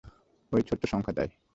ঐ ছোট্ট সংখ্যাটায়।